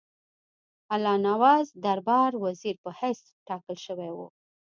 الله نواز د دربار د وزیر په حیث ټاکل شوی وو.